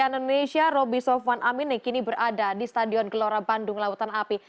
pembukaan indonesia roby sofwan aminik ini berada di stadion gelora bandung lautan api